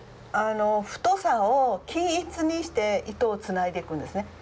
太さを均一にして糸をつないでいくんですね。